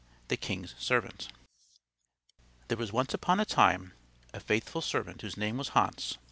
THE KING'S SERVANT There was once upon a time a faithful servant whose name was Hans.